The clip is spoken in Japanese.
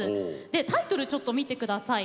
タイトルをちょっと見てください。